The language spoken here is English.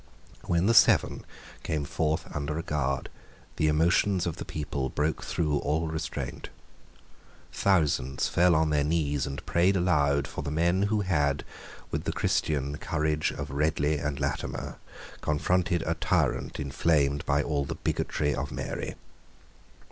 When the Seven came forth under a guard, the emotions of the people broke through all restraint. Thousands fell on their knees and prayed aloud for the men who had, with the Christian, courage of Ridley and Latimer, confronted a tyrant inflamed by all the bigotry of Mary.